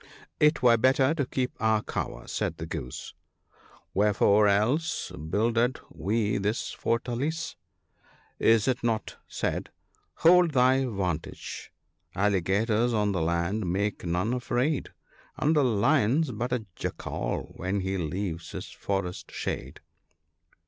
" It were better to keep our cover," said the Goose. " Wherefore else builded we this fortalice ? Is it not said ?—" Hold thy vantage !— alligators on the land make none afraid ; And the lion's but a jackal when he leaves his forest shade."